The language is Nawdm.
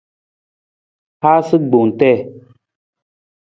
Haasa gbong tii.